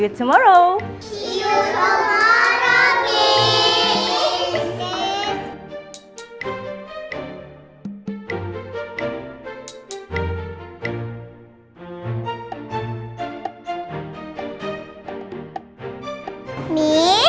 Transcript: sampai jumpa besok miss